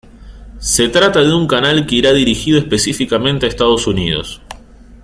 Se trata de un canal que irá dirigido específicamente a Estados Unidos.